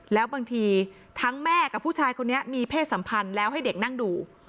แล้วบางทีทั้งแม่กับผู้ชายคนนี้มีเพศสัมพันธ์แล้วให้เด็กนั่งดู